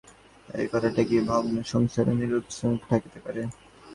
এই কথাই কি একটি ভগ্ন সংসারের নিদারুণ আর্তস্বরকে ঢাকিতে পারে।